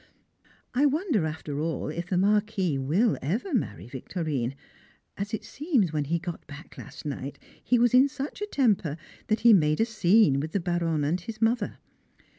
I wonder after all if the Marquis will ever marry Victorine, as it seems, when he got back last night, he was in such a temper that he made a scene with the Baronne and his mother.